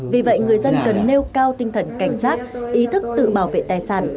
vì vậy người dân cần nêu cao tinh thần cảnh giác ý thức tự bảo vệ tài sản